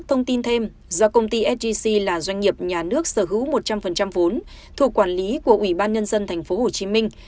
thông tin thêm do công ty sgc là doanh nghiệp nhà nước sở hữu một trăm linh vốn thuộc quản lý của ủy ban nhân dân thành phố hồ chí minh